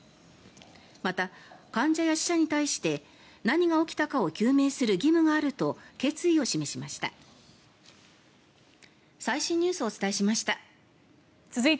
また、患者や死者に対して何が起きたかを究明する義務があると決意を示しました。